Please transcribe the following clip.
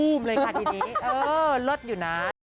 อุ้มเลยค่ะทีนี้เออเลิศอยู่น้า